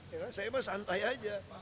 ya kan saya mah santai aja